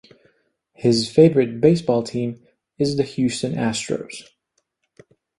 His favorite baseball team is the Houston Astros.